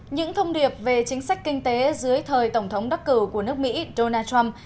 những thông điệp về chính sách kinh tế dưới thời tổng thống đắc cử của nước mỹ donald trump